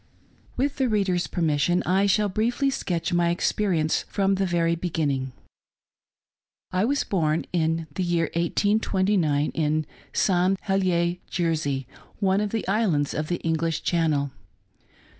With the reader's permission I shall briefly sketch my e^cperience from the very beginning. I was born in the year 1829, in St. Hehers, Jersey — one of the islands of the English Channel.